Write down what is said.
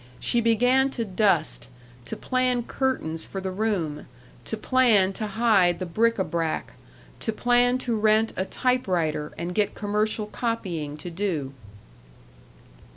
She began to dust, to plan curtains for the room, to plan to hide the bric à brac, to plan to rent a typewriter and get commercial copying to do.